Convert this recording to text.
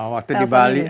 waktu di bali